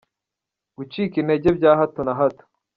Gucika intege bya hato na hato.